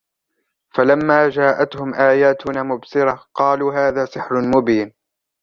فَلَمَّا جَاءَتْهُمْ آيَاتُنَا مُبْصِرَةً قَالُوا هَذَا سِحْرٌ مُبِينٌ